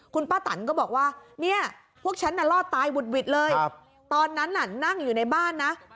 คุณป้าตั๋นก็บอกว่า